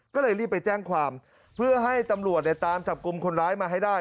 ก็เลยรีบไปแจ้งความเพื่อให้ตำรวจตามจับกลุ่มคนร้ายมาให้ได้